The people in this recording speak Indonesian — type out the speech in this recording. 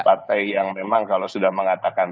partai yang memang kalau sudah mengatakan